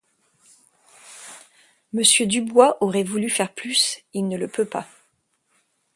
Monsieur Dubois aurait voulu faire plus, il ne le peut pas.